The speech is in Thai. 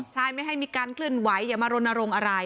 ใช่ไม่ให้มีการเคลื่อนไหวอย่ามารณรงค์อะไร